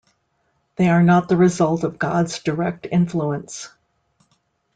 They are not the result of God's direct influence.